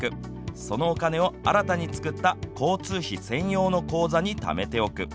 そのお金を新たに作った交通費専用の口座に貯めておく。